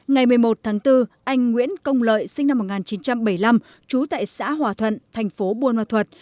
ngày một mươi một tháng bốn anh nguyễn công lợi sinh năm một nghìn chín trăm bảy mươi năm trú tại xã hòa thuận thành phố buôn hoa thuật